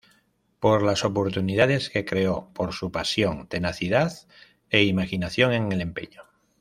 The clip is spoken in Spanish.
Por las oportunidades que creó, por su pasión, tenacidad e imaginación en el empeño.